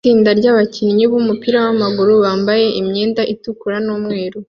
Itsinda ryabakinnyi bumupira wamaguru bambaye imyenda itukura numweru